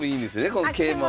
この桂馬は。